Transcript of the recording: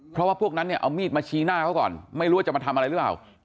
เพราะว่าพวกนั้นเนี่ยเอามีดมาชี้หน้าเขาก่อนไม่รู้ว่าจะมาทำอะไรหรือเปล่า